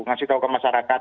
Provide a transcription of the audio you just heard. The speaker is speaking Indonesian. ngasih tau ke masyarakat